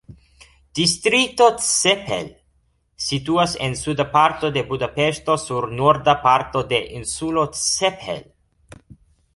Distrikto Csepel situas en suda parto de Budapeŝto sur norda parto de Insulo Csepel.